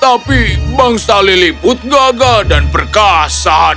tapi bangsa lilliput gagah dan perkataan